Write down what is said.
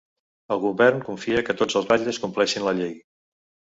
El govern confia que tots els batlles compleixin la llei.